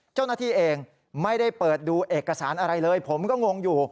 เจ้าหน้าที่เองไม่ได้เปิดดูเอกสารอะไรเลยผมก็งงอยู่